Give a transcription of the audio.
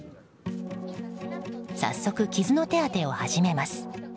早速、傷の手当てを始めます。